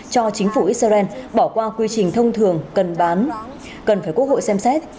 cho chính phủ israel bỏ qua quy trình thông thường cần bán cần phải quốc hội xem xét